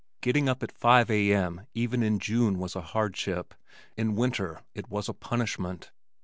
Getting up at five A. M. even in June was a hardship, in winter it was a punishment.